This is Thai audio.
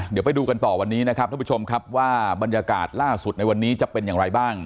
เดี๋ยวไปดูกันต่อวันนี้นะครับท่านผู้ชมครับว่าบรรยากาศล่าสุดในวันนี้จะเป็นอย่างไรบ้าง